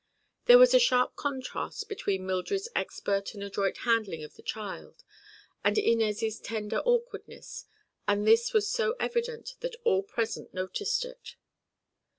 There was a sharp contrast between Mildred's expert and adroit handling of the child and Inez' tender awkwardness, and this was so evident that all present noticed it.